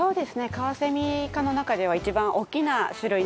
カワセミ科の中では一番大きな種類になります。